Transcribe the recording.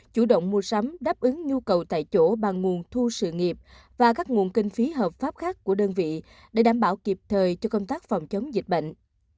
chủ động mua sắm đáp ứng nhu cầu tại chỗ bằng nguồn thu sự nghiệp và các nguồn kinh phí hợp pháp khác của đơn vị để đảm bảo kịp thời cho công tác phòng chống dịch bệnh